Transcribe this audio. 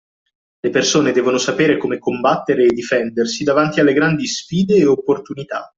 Le persone devono sapere come combattere e difendersi davanti alle grandi sfide e opportunità